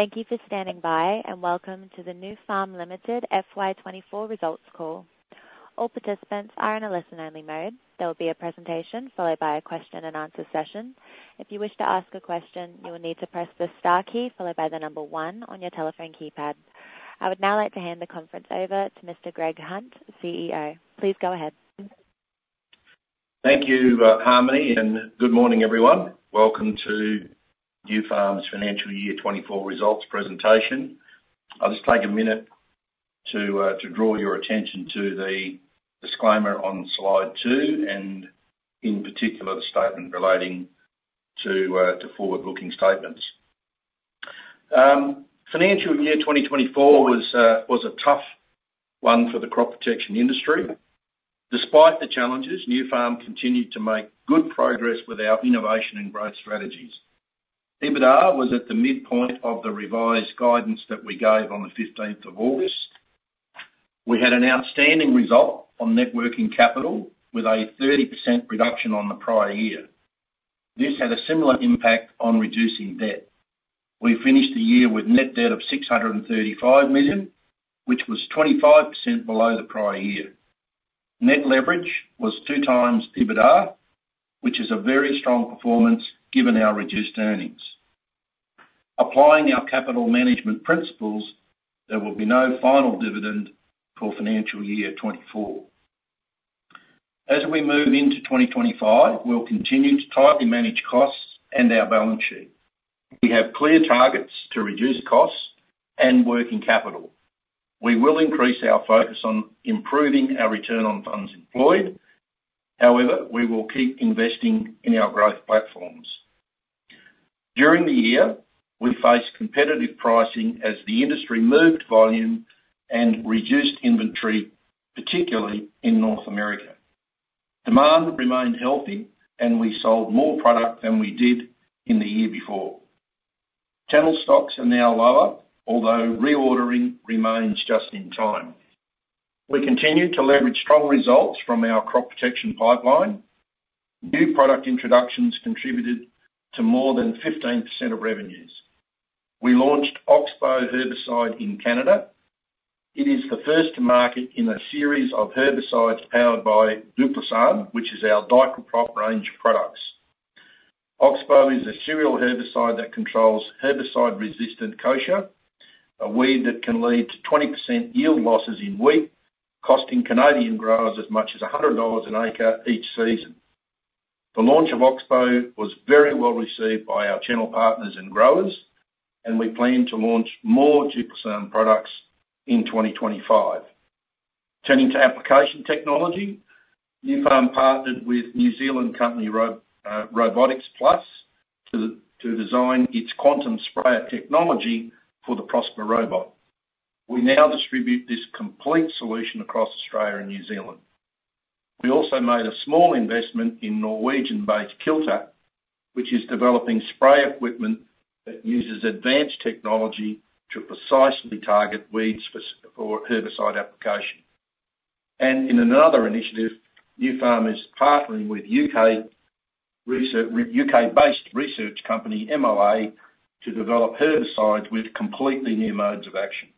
Thank you for standing by, and welcome to the Nufarm Limited FY24 results call. All participants are in a listen-only mode. There will be a presentation followed by a question-and-answer session. If you wish to ask a question, you will need to press the star key followed by the number one on your telephone keypad. I would now like to hand the conference over to Mr. Greg Hunt, CEO. Please go ahead. Thank you, Harmony, and good morning, everyone. Welcome to Nufarm's financial year 2024 results presentation. I'll just take a minute to draw your attention to the disclaimer on slide two and, in particular, the statement relating to forward-looking statements. Financial year 2024 was a tough one for the crop protection industry. Despite the challenges, Nufarm continued to make good progress with our innovation and growth strategies. EBITDA was at the midpoint of the revised guidance that we gave on the 15th of August. We had an outstanding result on net working capital with a 30% reduction on the prior year. This had a similar impact on reducing debt. We finished the year with net debt of $635 million, which was 25% below the prior year. Net leverage was two times EBITDA, which is a very strong performance given our reduced earnings. Applying our capital management principles, there will be no final dividend for financial year 2024. As we move into 2025, we'll continue to tightly manage costs and our balance sheet. We have clear targets to reduce costs and working capital. We will increase our focus on improving our return on funds employed. However, we will keep investing in our growth platforms. During the year, we faced competitive pricing as the industry moved volume and reduced inventory, particularly in North America. Demand remained healthy, and we sold more product than we did in the year before. Channel stocks are now lower, although reordering remains just in time. We continue to leverage strong results from our crop protection pipeline. New product introductions contributed to more than 15% of revenues. We launched Oxbow herbicide in Canada. It is the first to market in a series of herbicides powered by Duplosan, which is our dichlorprop range of products. Oxbow is a cereal herbicide that controls herbicide-resistant kochia, a weed that can lead to 20% yield losses in wheat, costing Canadian growers as much as $100 an acre each season. The launch of Oxbow was very well received by our channel partners and growers, and we plan to launch more Duplosan products in 2025. Turning to application technology, Nufarm partnered with New Zealand company Robotics Plus to design its quantum sprayer technology for the Prospr Robot. We now distribute this complete solution across Australia and New Zealand. We also made a small investment in Norwegian-based Kilter, which is developing spray equipment that uses advanced technology to precisely target weeds for herbicide application. In another initiative, Nufarm is partnering with U.K.-based research company MOA to develop herbicides with completely new modes of action.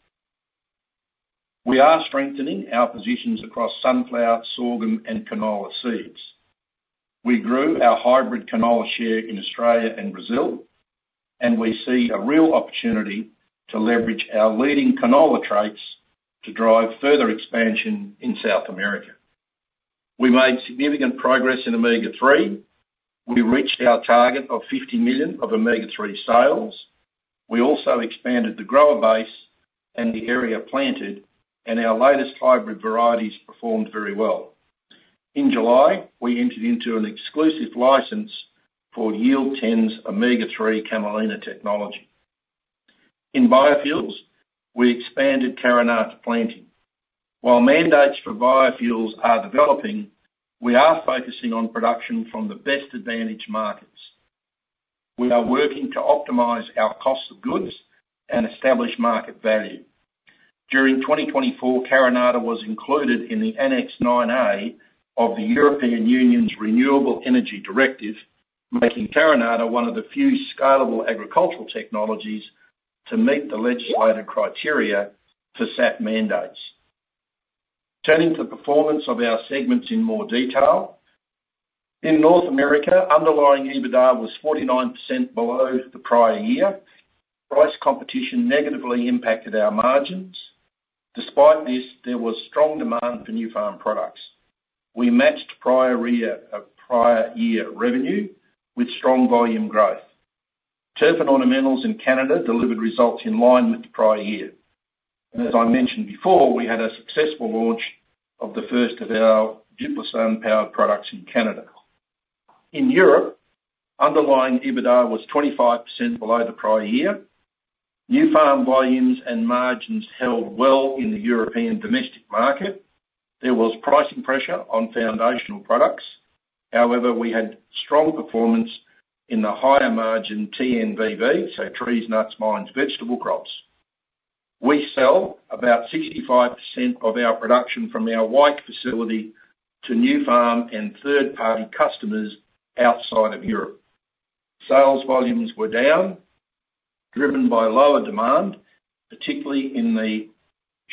We are strengthening our positions across sunflower, sorghum, and canola seeds. We grew our hybrid canola share in Australia and Brazil, and we see a real opportunity to leverage our leading canola traits to drive further expansion in South America. We made significant progress in Omega-3. We reached our target of $50 million of Omega-3 sales. We also expanded the grower base and the area planted, and our latest hybrid varieties performed very well. In July, we entered into an exclusive license for Yield10's Omega-3 camelina technology. In biofuels, we expanded carinata planting. While mandates for biofuels are developing, we are focusing on production from the best-advantaged markets. We are working to optimize our cost of goods and establish market value. During 2024, carinata was included in the Annex 9A of the European Union's Renewable Energy Directive, making carinata one of the few scalable agricultural technologies to meet the legislated criteria for SAF mandates. Turning to performance of our segments in more detail, in North America, underlying EBITDA was 49% below the prior year. Price competition negatively impacted our margins. Despite this, there was strong demand for Nufarm products. We matched prior year revenue with strong volume growth. Turf and Ornamentals in Canada delivered results in line with the prior year. As I mentioned before, we had a successful launch of the first of our Duplosan-powered products in Canada. In Europe, underlying EBITDA was 25% below the prior year. Nufarm volumes and margins held well in the European domestic market. There was pricing pressure on foundational products. However, we had strong performance in the higher margin TNVV, so trees, nuts, vines, vegetable crops. We sell about 65% of our production from our Wyke facility to Nufarm and third-party customers outside of Europe. Sales volumes were down, driven by lower demand, particularly in the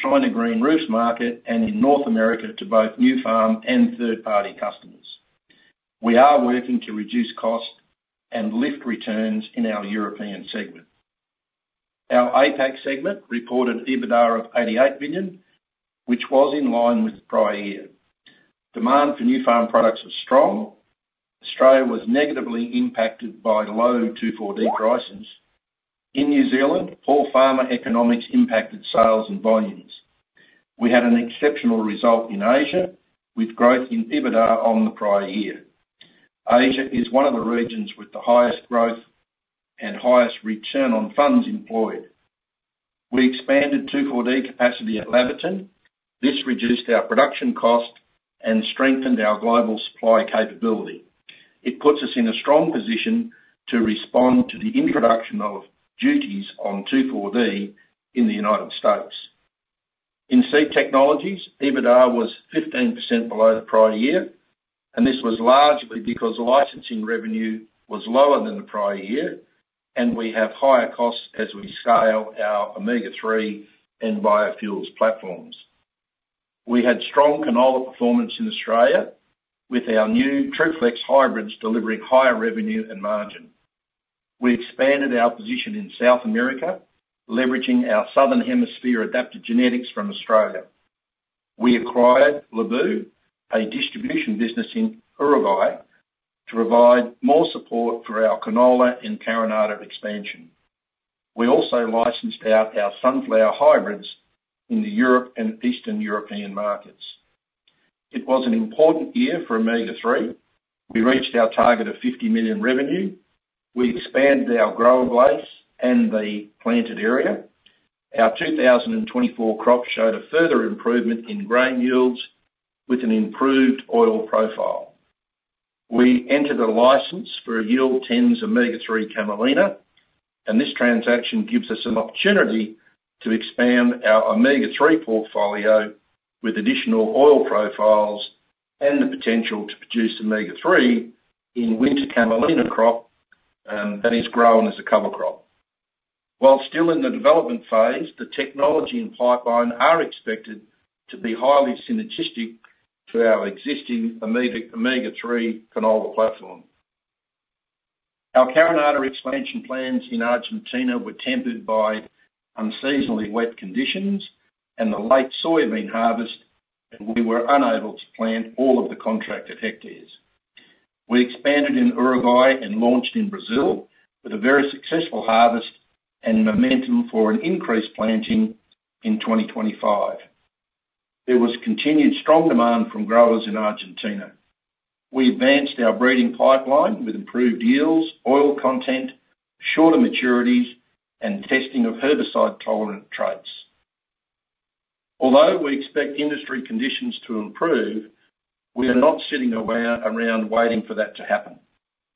China grain crops market and in North America to both Nufarm and third-party customers. We are working to reduce costs and lift returns in our European segment. Our APAC segment reported EBITDA of $88 million, which was in line with the prior year. Demand for Nufarm products was strong. Australia was negatively impacted by low 2,4-D prices. In New Zealand, poor farmer economics impacted sales and volumes. We had an exceptional result in Asia, with growth in EBITDA on the prior year. Asia is one of the regions with the highest growth and highest return on funds employed. We expanded 2,4-D capacity at Laverton. This reduced our production cost and strengthened our global supply capability. It puts us in a strong position to respond to the introduction of duties on 2,4-D in the United States. In seed technologies, EBITDA was 15% below the prior year, and this was largely because licensing revenue was lower than the prior year, and we have higher costs as we scale our Omega-3 and biofuels platforms. We had strong canola performance in Australia, with our new TruFlex hybrids delivering higher revenue and margin. We expanded our position in South America, leveraging our southern hemisphere adapted genetics from Australia. We acquired Lebu, a distribution business in Uruguay, to provide more support for our canola and carinata expansion. We also licensed out our sunflower hybrids in Europe and Eastern European markets. It was an important year for Omega-3. We reached our target of $50 million revenue. We expanded our grower base and the planted area. Our 2024 crop showed a further improvement in grain yields with an improved oil profile. We entered a license for Yield10's Omega-3 camelina, and this transaction gives us an opportunity to expand our Omega-3 portfolio with additional oil profiles and the potential to produce Omega-3 in winter camelina crop that is grown as a cover crop. While still in the development phase, the technology and pipeline are expected to be highly synergistic to our existing Omega-3 canola platform. Our carinata expansion plans in Argentina were tempered by unseasonably wet conditions and the late soybean harvest, and we were unable to plant all of the contracted hectares. We expanded in Uruguay and launched in Brazil with a very successful harvest and momentum for an increased planting in 2025. There was continued strong demand from growers in Argentina. We advanced our breeding pipeline with improved yields, oil content, shorter maturities, and testing of herbicide-tolerant traits. Although we expect industry conditions to improve, we are not sitting around waiting for that to happen.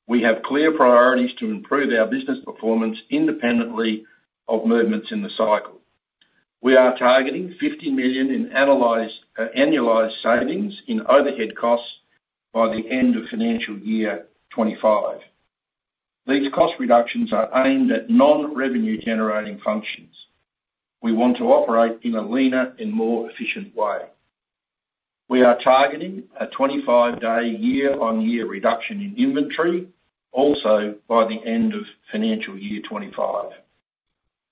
We have clear priorities to improve our business performance independently of movements in the cycle. We are targeting $50 million in annualized savings in overhead costs by the end of financial year 2025. These cost reductions are aimed at non-revenue-generating functions. We want to operate in a leaner and more efficient way. We are targeting a 25-day year-on-year reduction in inventory, also by the end of financial year 2025.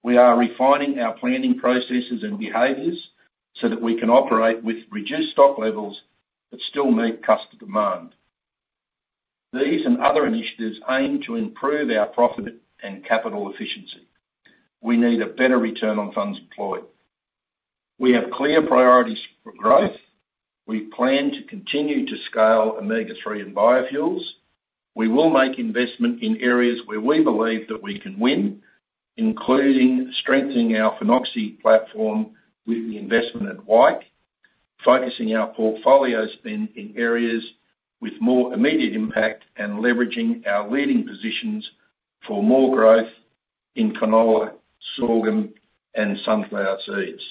We are refining our planning processes and behaviors so that we can operate with reduced stock levels but still meet customer demand. These and other initiatives aim to improve our profit and capital efficiency. We need a better return on funds employed. We have clear priorities for growth. We plan to continue to scale Omega-3 and biofuels. We will make investment in areas where we believe that we can win, including strengthening our Phenoxy platform with the investment at Wyke, focusing our portfolios in areas with more immediate impact, and leveraging our leading positions for more growth in canola, sorghum, and sunflower seeds.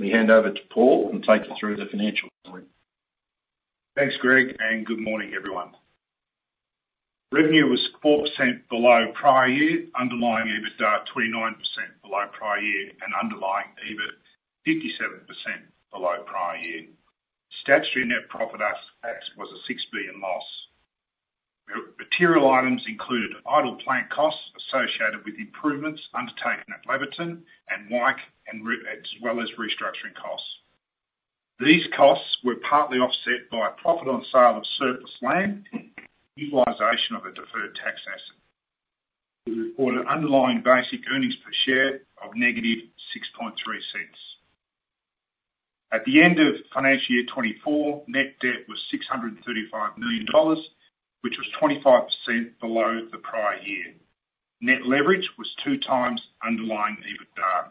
Let me hand over to Paul and take you through the financial summary. Thanks, Greg, and good morning, everyone. Revenue was 4% below prior year, underlying EBITDA 29% below prior year, and underlying EBIT 57% below prior year. Statutory net profit after tax was a $6 million loss. Material items included idle plant costs associated with improvements undertaken at Laverton and Wyke, as well as restructuring costs. These costs were partly offset by profit on sale of surplus land, utilization of a deferred tax asset. We reported underlying basic earnings per share of negative $6.36. At the end of financial year 2024, net debt was $635 million, which was 25% below the prior year. Net leverage was two times underlying EBITDA.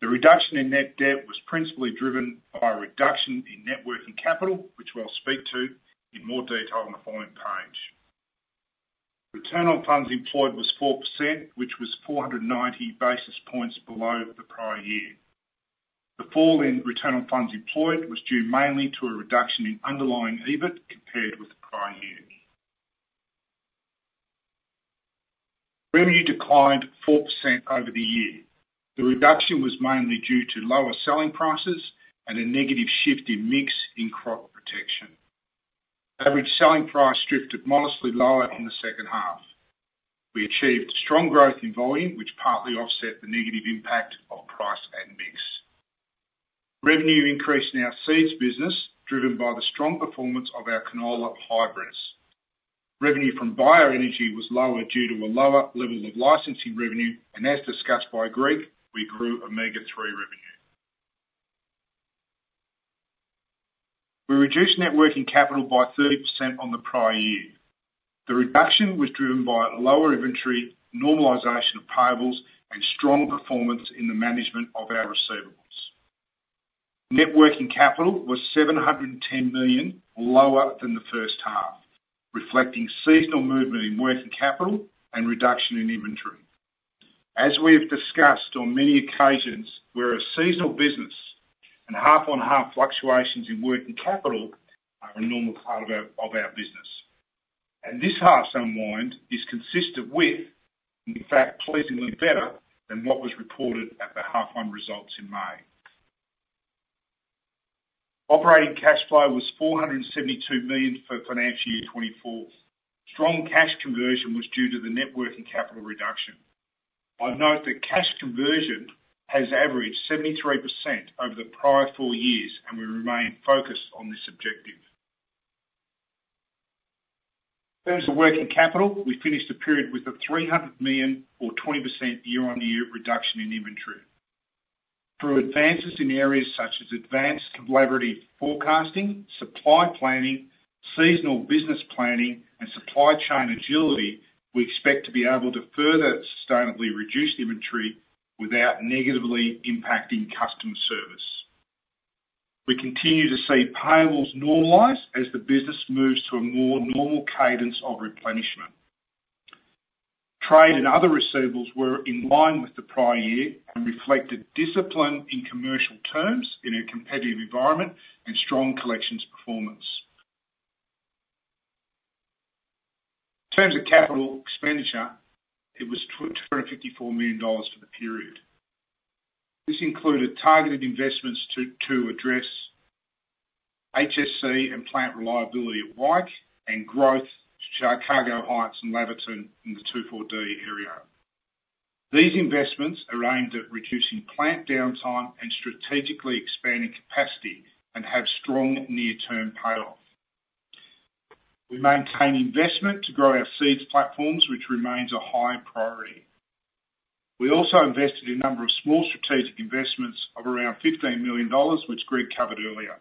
The reduction in net debt was principally driven by a reduction in net working capital, which we'll speak to in more detail on the following page. Return on funds employed was 4%, which was 490 basis points below the prior year. The fall in return on funds employed was due mainly to a reduction in underlying EBIT compared with the prior year. Revenue declined 4% over the year. The reduction was mainly due to lower selling prices and a negative shift in mix in crop protection. Average selling price drifted modestly lower in the second half. We achieved strong growth in volume, which partly offset the negative impact of price and mix. Revenue increased in our seeds business, driven by the strong performance of our canola hybrids. Revenue from bioenergy was lower due to a lower level of licensing revenue, and as discussed by Greg, we grew Omega-3 revenue. We reduced net working capital by 30% on the prior year. The reduction was driven by lower inventory, normalization of payables, and strong performance in the management of our receivables. Net working capital was $710 million, lower than the first half, reflecting seasonal movement in working capital and reduction in inventory. As we have discussed on many occasions, we're a seasonal business, and half-on-half fluctuations in working capital are a normal part of our business, and this half-on-half is consistent with, in fact, pleasingly better than what was reported at the half-on-half results in May. Operating cash flow was $472 million for financial year 2024. Strong cash conversion was due to the net working capital reduction. I've noted that cash conversion has averaged 73% over the prior four years, and we remain focused on this objective. In terms of working capital, we finished the period with a $300 million, or 20% year-on-year reduction in inventory. Through advances in areas such as advanced collaborative forecasting, supply planning, seasonal business planning, and supply chain agility, we expect to be able to further sustainably reduce inventory without negatively impacting customer service. We continue to see payables normalize as the business moves to a more normal cadence of replenishment. Trade and other receivables were in line with the prior year and reflected discipline in commercial terms in a competitive environment and strong collections performance. In terms of capital expenditure, it was $254 million for the period. This included targeted investments to address HSE and plant reliability at Wyke and growth to Chicago Heights and Laverton in the 2,4-D area. These investments are aimed at reducing plant downtime and strategically expanding capacity and have strong near-term payoff. We maintain investment to grow our seeds platforms, which remains a high priority. We also invested in a number of small strategic investments of around $15 million, which Greg covered earlier.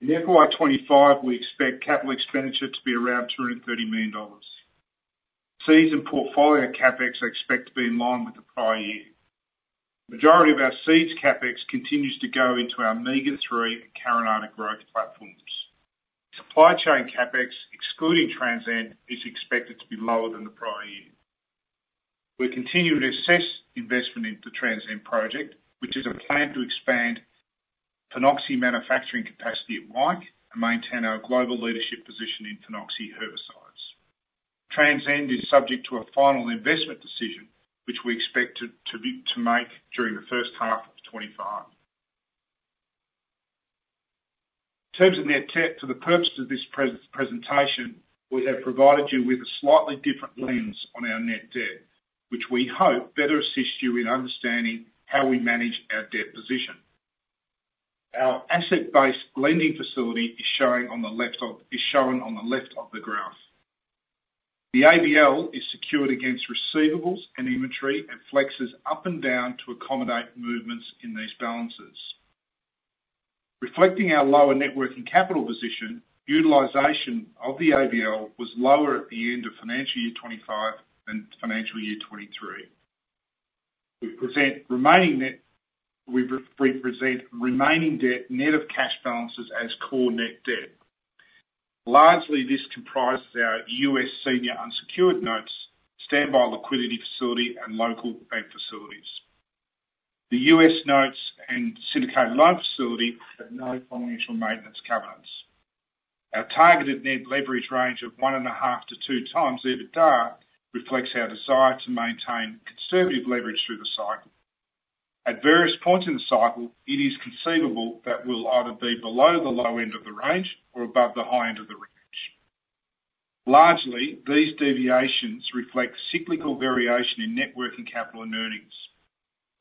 In FY 2025, we expect capital expenditure to be around $230 million. Seeds and portfolio CapEx are expected to be in line with the prior year. The majority of our seeds CapEx continues to go into our Omega-3 and carinata growth platforms. Supply chain CapEx, excluding Transcend, is expected to be lower than the prior year. We're continuing to assess investment into the Transcend project, which is a plan to expand phenoxy manufacturing capacity at Wyke and maintain our global leadership position in phenoxy herbicides. Transcend is subject to a final investment decision, which we expect to make during the first half of 2025. In terms of net debt, for the purpose of this presentation, we have provided you with a slightly different lens on our net debt, which we hope better assists you in understanding how we manage our debt position. Our asset-based lending facility is shown on the left of the graph. The ABL is secured against receivables and inventory and flexes up and down to accommodate movements in these balances. Reflecting our lower net working capital position, utilization of the ABL was lower at the end of financial year 2025 than financial year 2023. We present remaining debt net of cash balances as core net debt. Largely, this comprises our U.S. senior unsecured notes, standby liquidity facility, and local bank facilities. The U.S. notes and syndicated loan facility have no financial maintenance covenants. Our targeted net leverage range of one and a half to two times EBITDA reflects our desire to maintain conservative leverage through the cycle. At various points in the cycle, it is conceivable that we'll either be below the low end of the range or above the high end of the range. Largely, these deviations reflect cyclical variation in net working capital and earnings.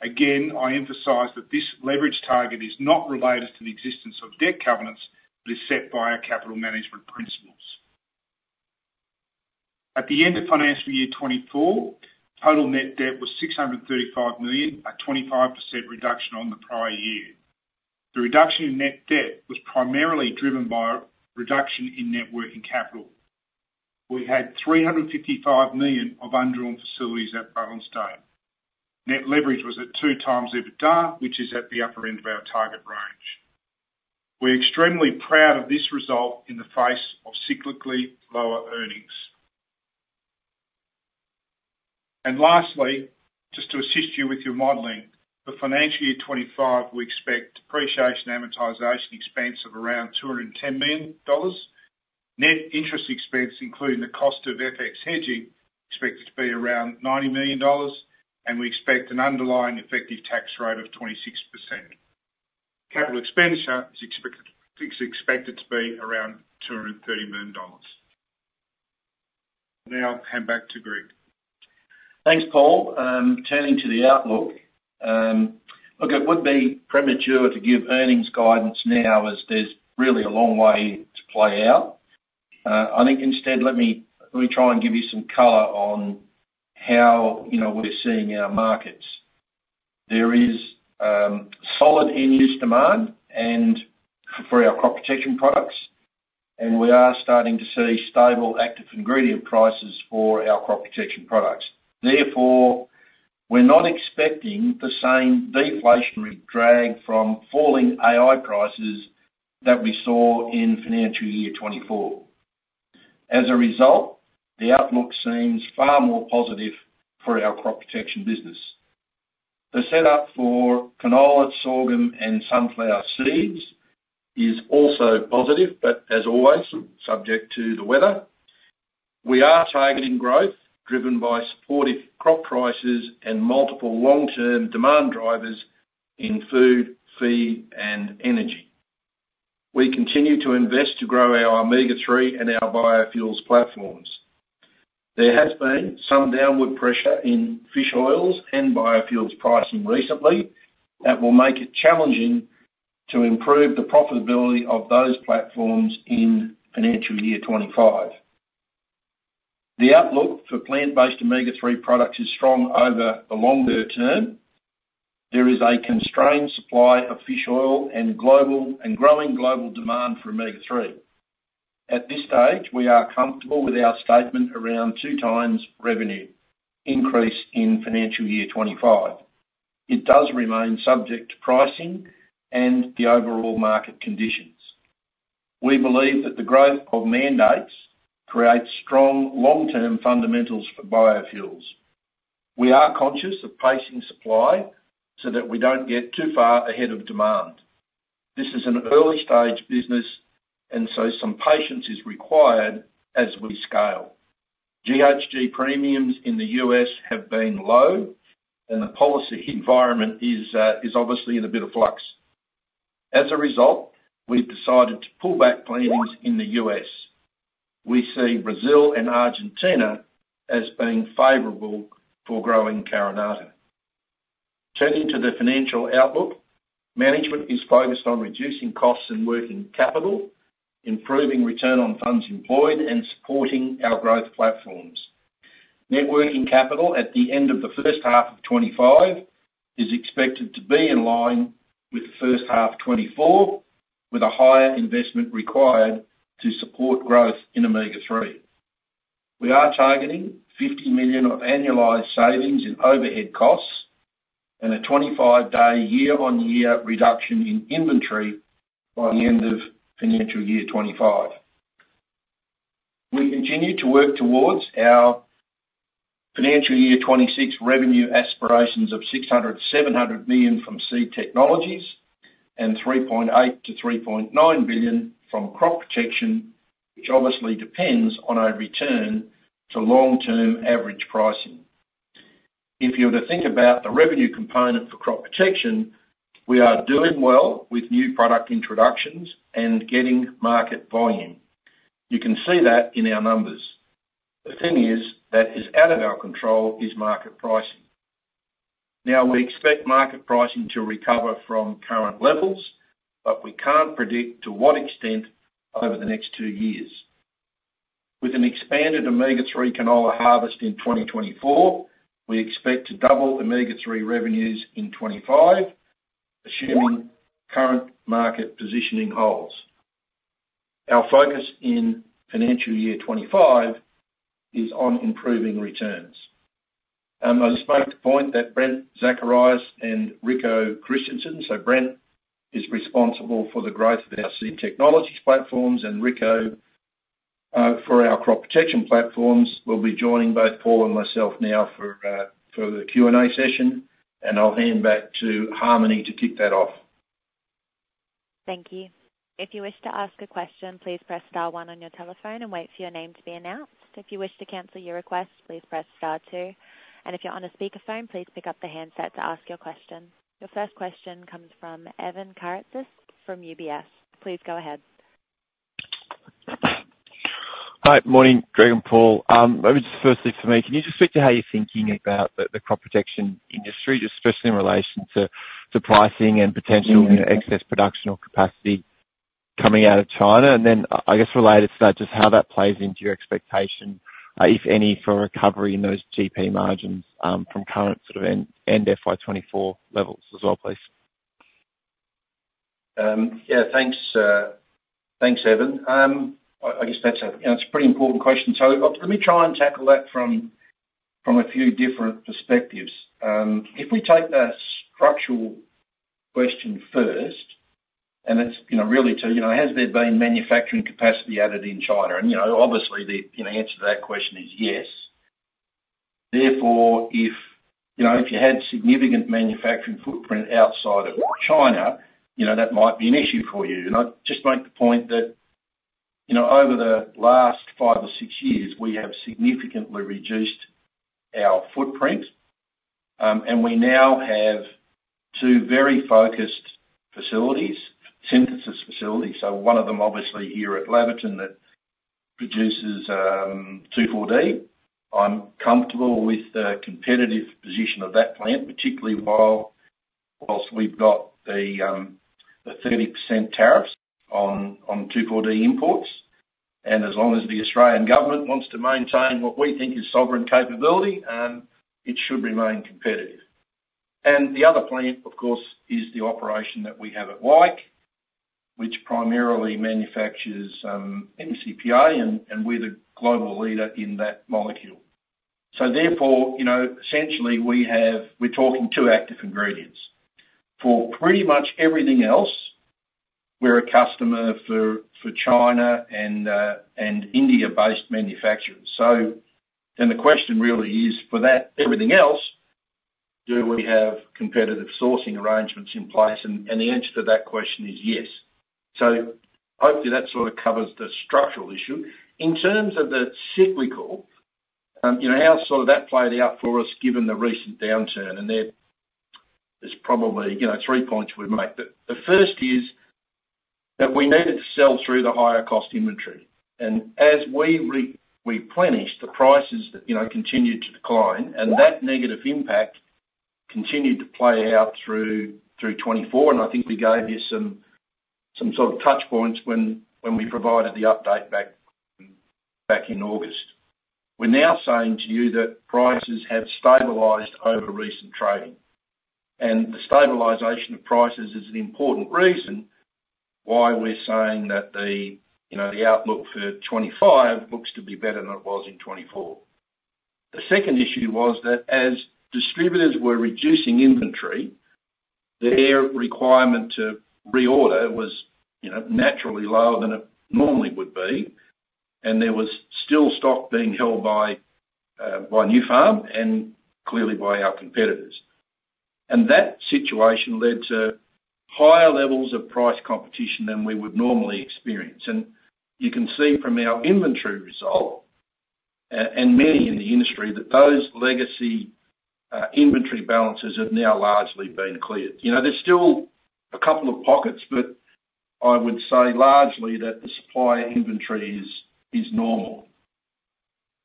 Again, I emphasize that this leverage target is not related to the existence of debt covenants, but is set by our capital management principles. At the end of financial year 2024, total net debt was $635 million, a 25% reduction on the prior year. The reduction in net debt was primarily driven by a reduction in net working capital. We had $355 million of undrawn facilities at balance date. Net leverage was at two times EBITDA, which is at the upper end of our target range. We're extremely proud of this result in the face of cyclically lower earnings. Lastly, just to assist you with your modeling, for financial year 2025, we expect depreciation amortization expense of around $210 million. Net interest expense, including the cost of FX hedging, is expected to be around $90 million, and we expect an underlying effective tax rate of 26%. Capital expenditure is expected to be around $230 million. I'll now hand back to Greg. Thanks, Paul. Turning to the outlook, look, it would be premature to give earnings guidance now as there's really a long way to play out. I think instead, let me try and give you some color on how we're seeing our markets. There is solid end-use demand for our crop protection products, and we are starting to see stable active ingredient prices for our crop protection products. Therefore, we're not expecting the same deflationary drag from falling AI prices that we saw in financial year 2024. As a result, the outlook seems far more positive for our crop protection business. The setup for canola, sorghum, and sunflower seeds is also positive, but as always, subject to the weather. We are targeting growth driven by supportive crop prices and multiple long-term demand drivers in food, feed, and energy. We continue to invest to grow our Omega-3 and our biofuels platforms. There has been some downward pressure in fish oils and biofuels pricing recently that will make it challenging to improve the profitability of those platforms in financial year 2025. The outlook for plant-based Omega-3 products is strong over the longer term. There is a constrained supply of fish oil and growing global demand for Omega-3. At this stage, we are comfortable with our statement around two times revenue increase in financial year 2025. It does remain subject to pricing and the overall market conditions. We believe that the growth of mandates creates strong long-term fundamentals for biofuels. We are conscious of pacing supply so that we don't get too far ahead of demand. This is an early-stage business, and so some patience is required as we scale. GHG premiums in the U.S. have been low, and the policy environment is obviously in a bit of flux. As a result, we've decided to pull back planning in the U.S. We see Brazil and Argentina as being favorable for growing carinata. Turning to the financial outlook, management is focused on reducing costs in working capital, improving return on funds employed, and supporting our growth platforms. Net working capital at the end of the first half of 2025 is expected to be in line with the first half of 2024, with a higher investment required to support growth in Omega-3. We are targeting $50 million of annualized savings in overhead costs and a 25-day year-on-year reduction in inventory by the end of financial year 2025. We continue to work towards our financial year 2026 revenue aspirations of $600 million, $700 million from seed technologies and $3.8 billion-$3.9 billion from crop protection, which obviously depends on our return to long-term average pricing. If you were to think about the revenue component for crop protection, we are doing well with new product introductions and getting market volume. You can see that in our numbers. The thing is that is out of our control is market pricing. Now, we expect market pricing to recover from current levels, but we can't predict to what extent over the next two years. With an expanded Omega-3 canola harvest in 2024, we expect to double Omega-3 revenues in 2025, assuming current market positioning holds. Our focus in financial year 2025 is on improving returns. I just made the point that Brent Zacharias and Rico Christensen, so Brent is responsible for the growth of our seed technologies platforms and Rico for our crop protection platforms, will be joining both Paul and myself now for the Q&A session, and I'll hand back to Harmony to kick that off. Thank you. If you wish to ask a question, please press star one on your telephone and wait for your name to be announced. If you wish to cancel your request, please press star two. And if you're on a speakerphone, please pick up the handset to ask your question. Your first question comes from Evan Karatzas from UBS. Please go ahead. Hi, good morning, Greg and Paul. Maybe just firstly for me, can you just speak to how you're thinking about the crop protection industry, especially in relation to pricing and potential excess production or capacity coming out of China? And then I guess related to that, just how that plays into your expectation, if any, for recovery in those GP margins from current sort of end FY24 levels as well, please. Yeah, thanks, Evan. I guess that's a pretty important question. So let me try and tackle that from a few different perspectives. If we take the structural question first, and that's really to, has there been manufacturing capacity added in China? And obviously, the answer to that question is yes. Therefore, if you had significant manufacturing footprint outside of China, that might be an issue for you. And I just make the point that over the last five or six years, we have significantly reduced our footprint, and we now have two very focused facilities, synthesis facilities. So one of them obviously here at Laverton that produces 2,4-D. I'm comfortable with the competitive position of that plant, particularly whilst we've got the 30% tariffs on 2,4-D imports. And as long as the Australian government wants to maintain what we think is sovereign capability, it should remain competitive. The other plant, of course, is the operation that we have at Wyke, which primarily manufactures MCPA, and we're the global leader in that molecule. So therefore, essentially, we're talking two active ingredients. For pretty much everything else, we're a customer for China and India-based manufacturers. So then the question really is, for that everything else, do we have competitive sourcing arrangements in place? And the answer to that question is yes. So hopefully, that sort of covers the structural issue. In terms of the cyclical, how sort of that played out for us given the recent downturn, and there's probably three points we'd make. The first is that we needed to sell through the higher cost inventory. And as we replenished, the prices continued to decline, and that negative impact continued to play out through 2024. I think we gave you some sort of touch points when we provided the update back in August. We're now saying to you that prices have stabilized over recent trading. The stabilization of prices is an important reason why we're saying that the outlook for 2025 looks to be better than it was in 2024. The second issue was that as distributors were reducing inventory, their requirement to reorder was naturally lower than it normally would be, and there was still stock being held by Nufarm and clearly by our competitors. That situation led to higher levels of price competition than we would normally experience. You can see from our inventory result and many in the industry that those legacy inventory balances have now largely been cleared. There's still a couple of pockets, but I would say largely that the supply inventory is normal.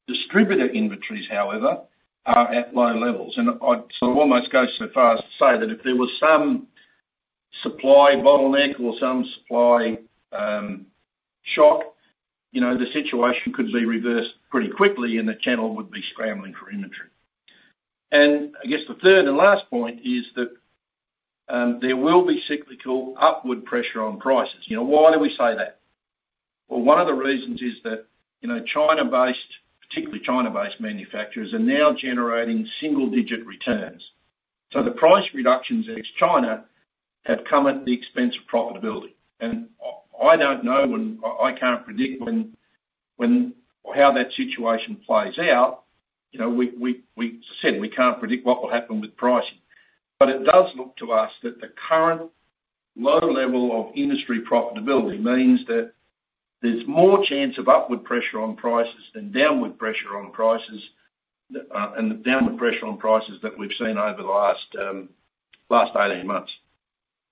Distributor inventories, however, are at low levels. And I'd sort of almost go so far as to say that if there was some supply bottleneck or some supply shock, the situation could be reversed pretty quickly, and the channel would be scrambling for inventory. And I guess the third and last point is that there will be cyclical upward pressure on prices. Why do we say that? Well, one of the reasons is that China-based, particularly China-based manufacturers are now generating single-digit returns. So the price reductions against China have come at the expense of profitability. And I don't know, and I can't predict how that situation plays out. As I said, we can't predict what will happen with pricing. But it does look to us that the current low level of industry profitability means that there's more chance of upward pressure on prices than downward pressure on prices and the downward pressure on prices that we've seen over the last 18 months.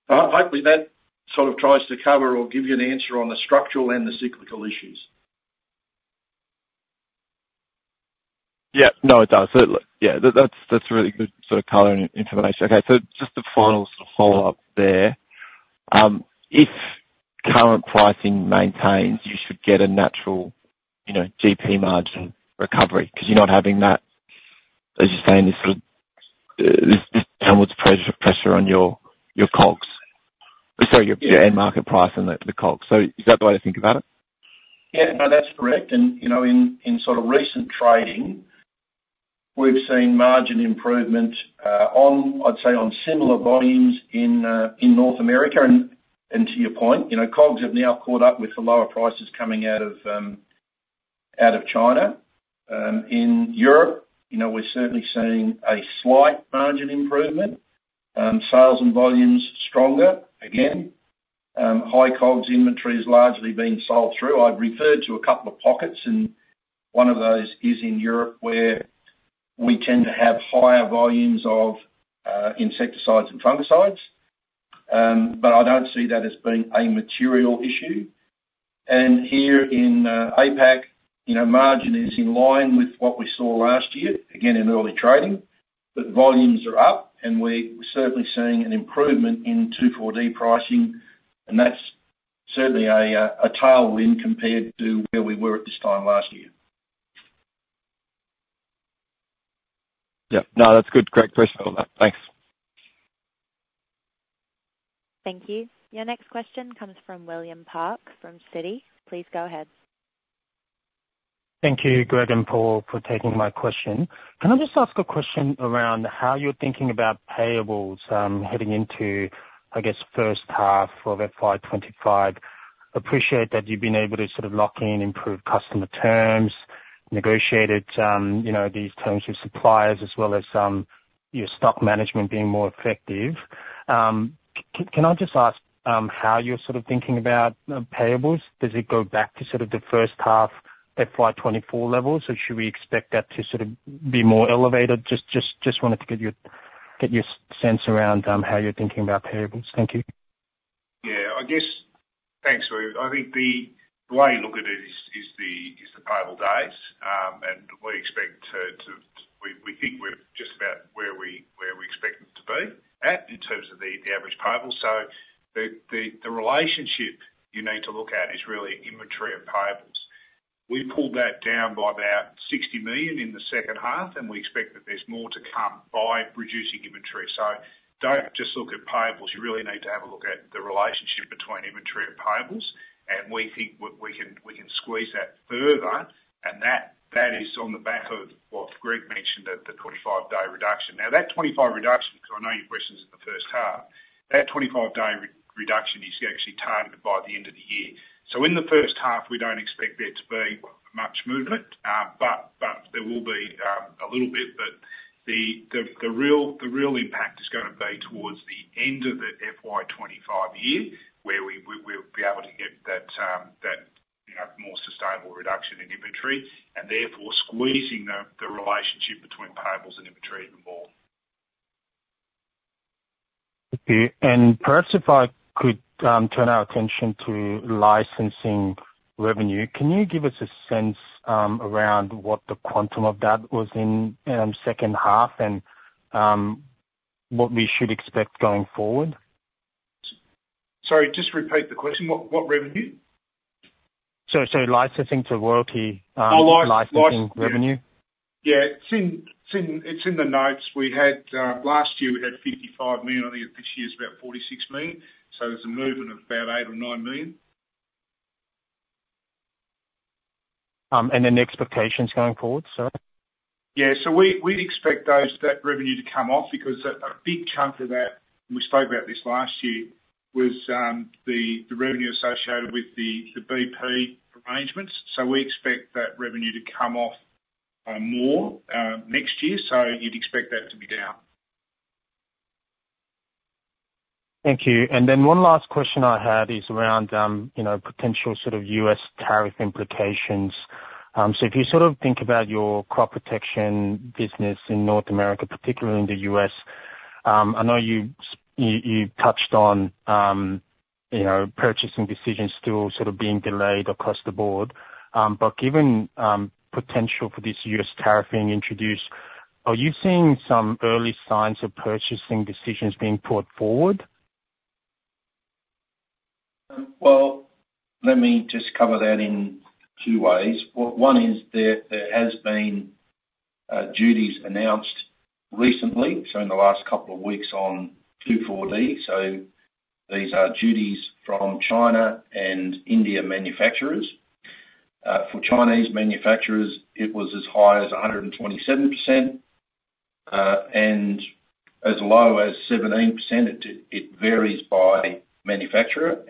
Hopefully, that sort of tries to cover or give you an answer on the structural and the cyclical issues. Yeah, no, it does. Yeah, that's really good sort of coloring information. Okay, so just the final sort of follow-up there. If current pricing maintains, you should get a natural GP margin recovery because you're not having that, as you're saying, this downward pressure on your COGS, sorry, your end market price and the COGS. So is that the way to think about it? Yeah, no, that's correct. And in sort of recent trading, we've seen margin improvement, I'd say on similar volumes in North America. And to your point, COGS have now caught up with the lower prices coming out of China. In Europe, we're certainly seeing a slight margin improvement, sales and volumes stronger. Again, high COGS inventory has largely been sold through. I've referred to a couple of pockets, and one of those is in Europe where we tend to have higher volumes of insecticides and fungicides. But I don't see that as being a material issue. And here in APAC, margin is in line with what we saw last year, again, in early trading, but volumes are up, and we're certainly seeing an improvement in 2,4-D pricing. And that's certainly a tailwind compared to where we were at this time last year. Yeah, no, that's a good, great question on that. Thanks. Thank you. Your next question comes from William Park from Citi. Please go ahead. Thank you, Greg and Paul, for taking my question. Can I just ask a question around how you're thinking about payables heading into, I guess, first half of FY25? Appreciate that you've been able to sort of lock in improved customer terms, negotiated these terms with suppliers, as well as your stock management being more effective. Can I just ask how you're sort of thinking about payables? Does it go back to sort of the first half FY24 levels, or should we expect that to sort of be more elevated? Just wanted to get your sense around how you're thinking about payables. Thank you. Yeah, I guess thanks, Ru. I think the way you look at it is the payable days, and we expect to, we think we're just about where we expect them to be at in terms of the average payable. So the relationship you need to look at is really inventory and payables. We pulled that down by about $60 million in the second half, and we expect that there's more to come by reducing inventory. So don't just look at payables. You really need to have a look at the relationship between inventory and payables, and we think we can squeeze that further. And that is on the back of what Greg mentioned at the 25-day reduction. Now, that 25 reduction, because I know your question is in the first half, that 25-day reduction is actually targeted by the end of the year. So in the first half, we don't expect there to be much movement, but there will be a little bit. But the real impact is going to be towards the end of the FY 2025 year where we'll be able to get that more sustainable reduction in inventory and therefore squeezing the relationship between payables and inventory even more. Okay, and perhaps if I could turn our attention to licensing revenue, can you give us a sense around what the quantum of that was in second half and what we should expect going forward? Sorry, just repeat the question. What revenue? Sorry, licensing to royalty licensing revenue. Yeah, it's in the notes. Last year, we had $55 million. I think this year is about $46 million. So there's a movement of about $8 million or $9 million. The expectations going forward, sorry? Yeah, so we expect that revenue to come off because a big chunk of that, and we spoke about this last year, was the revenue associated with the BP arrangements. So we expect that revenue to come off more next year. So you'd expect that to be down. Thank you. And then one last question I had is around potential sort of U.S. tariff implications. So if you sort of think about your crop protection business in North America, particularly in the U.S., I know you touched on purchasing decisions still sort of being delayed across the board. But given potential for this U.S. tariff being introduced, are you seeing some early signs of purchasing decisions being put forward? Let me just cover that in two ways. One is there has been duties announced recently, so in the last couple of weeks on 2,4-D. These are duties from Chinese and Indian manufacturers. For Chinese manufacturers, it was as high as 127% and as low as 17%. It varies by manufacturer.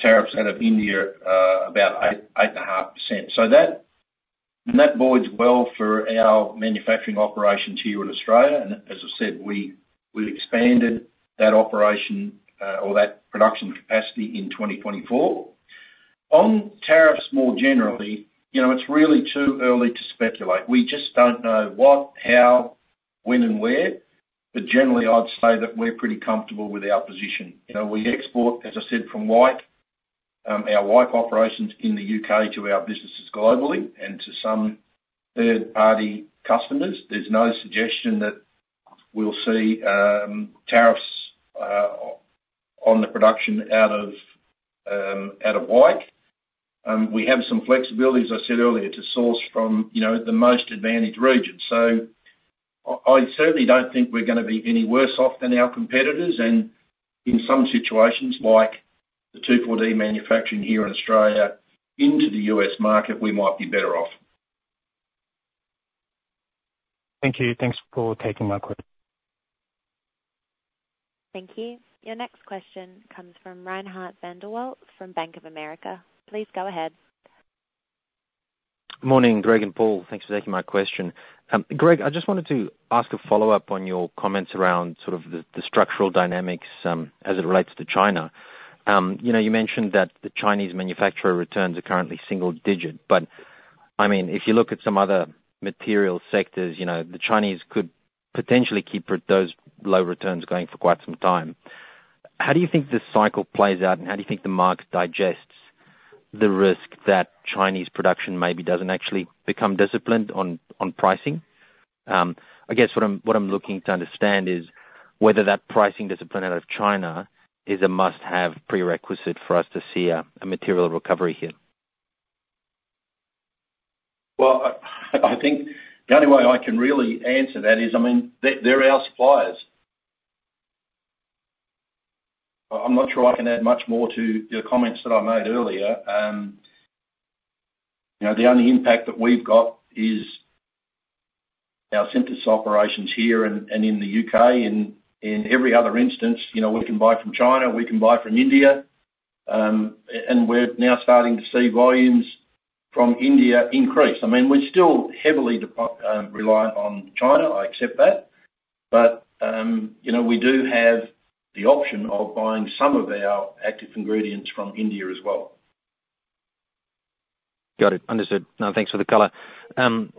Tariffs out of India, about 8.5%. That bodes well for our manufacturing operations here in Australia. As I said, we expanded that operation or that production capacity in 2024. On tariffs more generally, it's really too early to speculate. We just don't know what, how, when, and where. Generally, I'd say that we're pretty comfortable with our position. We export, as I said, from Wyke, our Wyke operations in the U.K. to our businesses globally and to some third-party customers. There's no suggestion that we'll see tariffs on the production out of Wyke. We have some flexibility, as I said earlier, to source from the most advantaged region. So I certainly don't think we're going to be any worse off than our competitors. And in some situations, like the 2,4-D manufacturing here in Australia into the U.S. market, we might be better off. Thank you. Thanks for taking my question. Thank you. Your next question comes from Reinhardt van der Walt from Bank of America. Please go ahead. Good morning, Greg and Paul. Thanks for taking my question. Greg, I just wanted to ask a follow-up on your comments around sort of the structural dynamics as it relates to China. You mentioned that the Chinese manufacturer returns are currently single-digit. But I mean, if you look at some other material sectors, the Chinese could potentially keep those low returns going for quite some time. How do you think this cycle plays out, and how do you think the market digests the risk that Chinese production maybe doesn't actually become disciplined on pricing? I guess what I'm looking to understand is whether that pricing discipline out of China is a must-have prerequisite for us to see a material recovery here. I think the only way I can really answer that is, I mean, they're our suppliers. I'm not sure I can add much more to the comments that I made earlier. The only impact that we've got is our synthesis operations here and in the U.K. In every other instance, we can buy from China. We can buy from India. And we're now starting to see volumes from India increase. I mean, we're still heavily reliant on China. I accept that. But we do have the option of buying some of our active ingredients from India as well. Got it. Understood. No, thanks for the color. And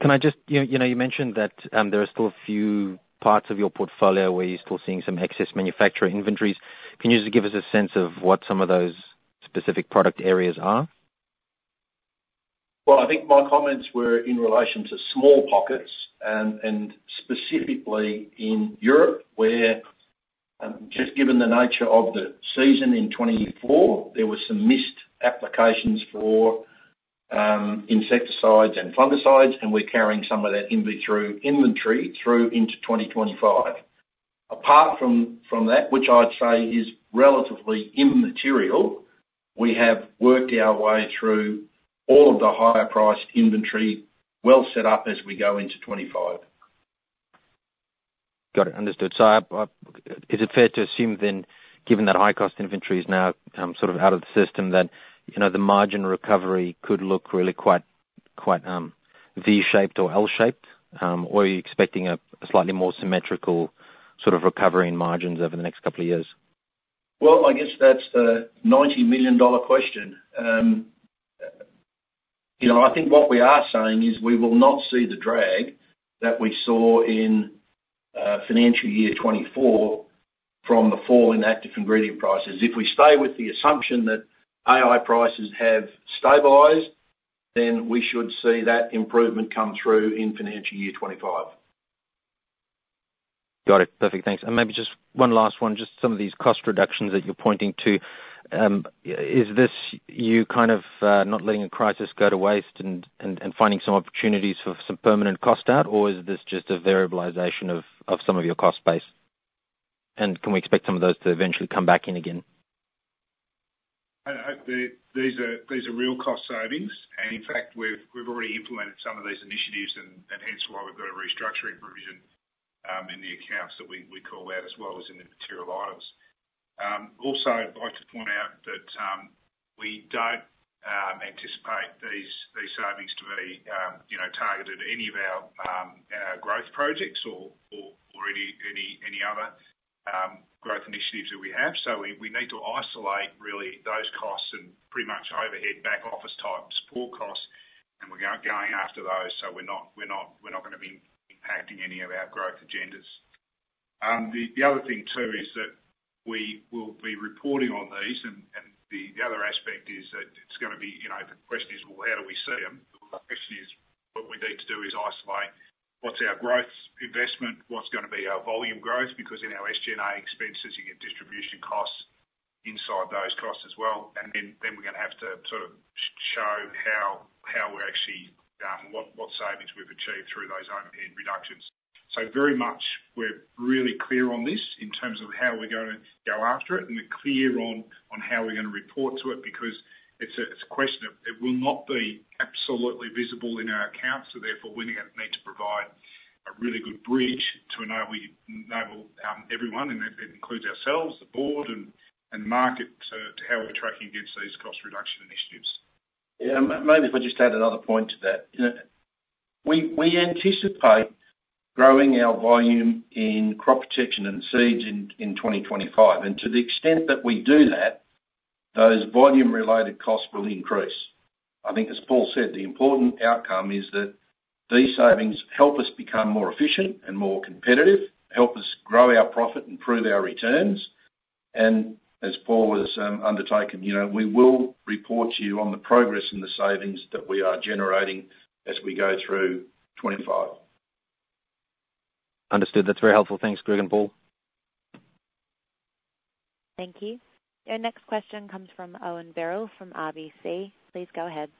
can I just, you mentioned that there are still a few parts of your portfolio where you're still seeing some excess manufacturer inventories. Can you just give us a sense of what some of those specific product areas are? I think my comments were in relation to small pockets and specifically in Europe where, just given the nature of the season in 2024, there were some missed applications for insecticides and fungicides, and we're carrying some of that inventory through into 2025. Apart from that, which I'd say is relatively immaterial, we have worked our way through all of the higher-priced inventory well set up as we go into 2025. Got it. Understood. So is it fair to assume then, given that high-cost inventory is now sort of out of the system, that the margin recovery could look really quite V-shaped or L-shaped? Or are you expecting a slightly more symmetrical sort of recovery in margins over the next couple of years? I guess that's the $90 million question. I think what we are saying is we will not see the drag that we saw in financial year 2024 from the fall in active ingredient prices. If we stay with the assumption that AI prices have stabilized, then we should see that improvement come through in financial year 2025. Got it. Perfect. Thanks. And maybe just one last one, just some of these cost reductions that you're pointing to. Is this you kind of not letting a crisis go to waste and finding some opportunities for some permanent cost out, or is this just a variabilization of some of your cost base? And can we expect some of those to eventually come back in again? These are real cost savings. And in fact, we've already implemented some of these initiatives, and hence why we've got a restructuring provision in the accounts that we call out as well as in the material items. Also, I'd like to point out that we don't anticipate these savings to be targeted at any of our growth projects or any other growth initiatives that we have. So we need to isolate really those costs and pretty much overhead back office types, poor costs, and we're going after those. So we're not going to be impacting any of our growth agendas. The other thing too is that we will be reporting on these. And the other aspect is that it's going to be the question is, well, how do we see them? The question is, what we need to do is isolate what's our growth investment, what's going to be our volume growth, because in our SG&A expenses, you get distribution costs inside those costs as well, and then we're going to have to sort of show how we're actually, what savings we've achieved through those overhead reductions, so very much we're really clear on this in terms of how we're going to go after it, and we're clear on how we're going to report to it because it's a question of it will not be absolutely visible in our accounts, so therefore, we're going to need to provide a really good bridge to enable everyone, and that includes ourselves, the board, and market to how we're tracking against these cost reduction initiatives. Yeah, maybe if I just add another point to that. We anticipate growing our volume in crop protection and seeds in 2025. And to the extent that we do that, those volume-related costs will increase. I think, as Paul said, the important outcome is that these savings help us become more efficient and more competitive, help us grow our profit, improve our returns. And as Paul has undertaken, we will report to you on the progress and the savings that we are generating as we go through 2025. Understood. That's very helpful. Thanks, Greg and Paul. Thank you. Your next question comes from Owen Birrell from RBC. Please go ahead.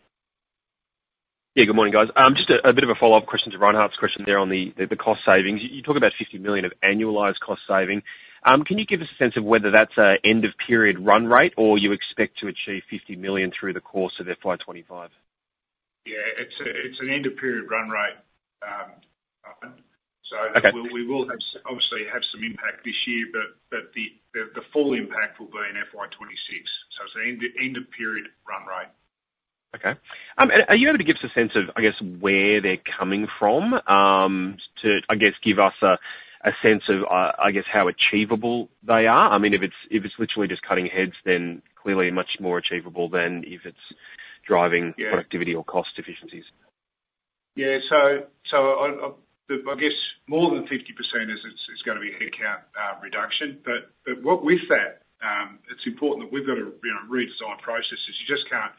Yeah, good morning, guys. Just a bit of a follow-up question to Reinhardt's question there on the cost savings. You talk about $50 million of annualized cost saving. Can you give us a sense of whether that's an end-of-period run rate or you expect to achieve $50 million through the course of FY 2025? Yeah, it's an end-of-period run rate. So we will obviously have some impact this year, but the full impact will be in FY 2026. So it's an end-of-period run rate. Okay. Are you able to give us a sense of, I guess, where they're coming from to, I guess, give us a sense of, I guess, how achievable they are? I mean, if it's literally just cutting heads, then clearly much more achievable than if it's driving productivity or cost efficiencies. Yeah. So I guess more than 50% is going to be headcount reduction. But with that, it's important that we've got to redesign processes. You just can't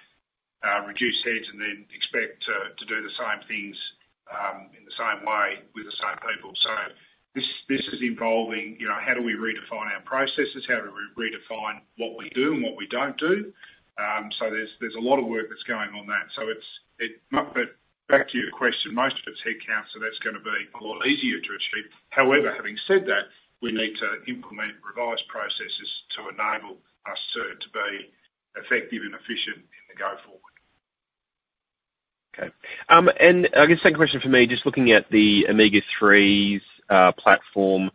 reduce heads and then expect to do the same things in the same way with the same people. So this is involving how do we redefine our processes, how do we redefine what we do and what we don't do. So there's a lot of work that's going on that. So back to your question, most of it's headcount, so that's going to be a lot easier to achieve. However, having said that, we need to implement revised processes to enable us to be effective and efficient in the go forward. Okay. And I guess second question for me, just looking at the Omega-3s platform,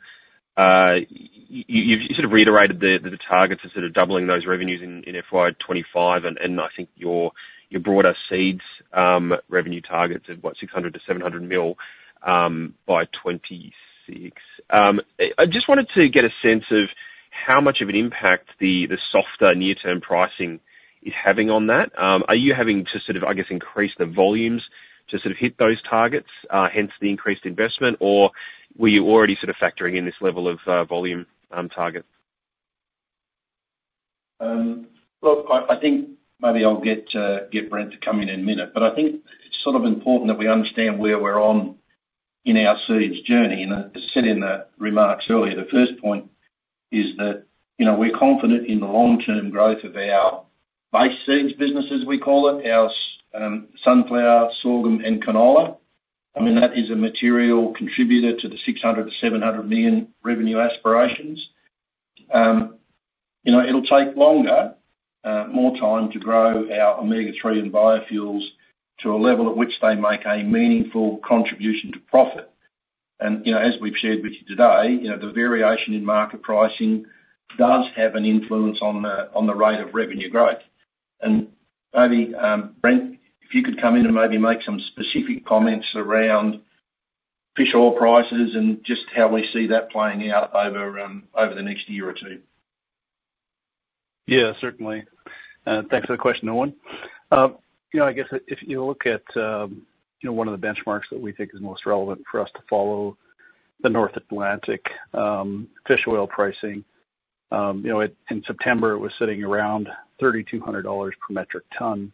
you sort of reiterated that the target is sort of doubling those revenues in FY 2025, and I think your broader seeds revenue targets of, what, $600 million-$700 million by 2026. I just wanted to get a sense of how much of an impact the softer near-term pricing is having on that. Are you having to sort of, I guess, increase the volumes to sort of hit those targets, hence the increased investment, or were you already sort of factoring in this level of volume target? Look, I think maybe I'll get Brent to come in in a minute. But I think it's sort of important that we understand where we're on in our seeds journey. And as said in the remarks earlier, the first point is that we're confident in the long-term growth of our base seeds business, as we call it, our sunflower, sorghum, and canola. I mean, that is a material contributor to the $600 million, $700 million revenue aspirations. It'll take longer, more time to grow our Omega-3 and biofuels to a level at which they make a meaningful contribution to profit. And as we've shared with you today, the variation in market pricing does have an influence on the rate of revenue growth. Maybe, Brent, if you could come in and maybe make some specific comments around fish oil prices and just how we see that playing out over the next year or two. Yeah, certainly. Thanks for the question, Owen. I guess if you look at one of the benchmarks that we think is most relevant for us to follow, the North Atlantic fish oil pricing, in September, it was sitting around $3,200 per metric ton,